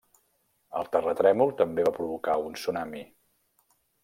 El terratrèmol també va provocar un tsunami.